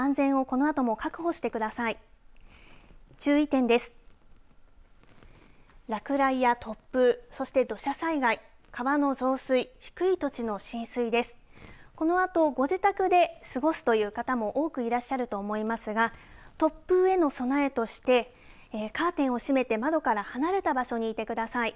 このあとご自宅で過ごすという方も多くいらっしゃると思いますが突風への備えとしてカーテンを閉めて窓から離れた場所にいてください。